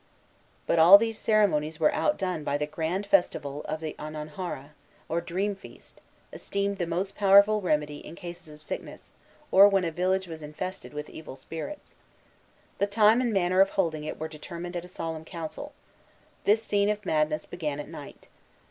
But all these ceremonies were outdone by the grand festival of the Ononhara, or Dream Feast, esteemed the most powerful remedy in cases of sickness, or when a village was infested with evil spirits. The time and manner of holding it were determined at a solemn council. This scene of madness began at night.